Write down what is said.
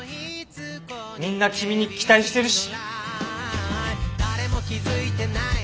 みんな君に期待してるし。